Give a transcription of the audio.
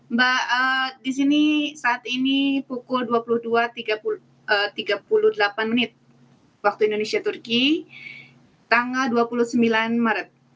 mbak di sini saat ini pukul dua puluh dua tiga puluh delapan menit waktu indonesia turki tanggal dua puluh sembilan maret